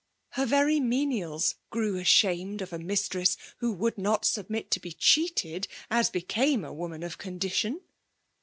— Her rery menials ^grew ashamed of a mistress, who ^rould not submit to be cheated^ as became a woman of condition!